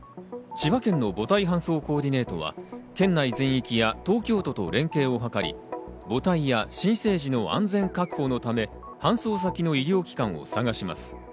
千葉県の母体搬送コーディネートは県内全域や東京都と連携を図り、母体や新生児の安全確保のため、搬送先の医療機関を探します。